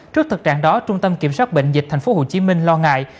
trước thực trạng đó trung tâm kiểm soát bệnh dịch tp hcm lo ngại